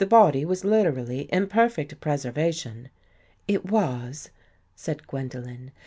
body was literally in perfect pres ervatior y " It Gwendolen.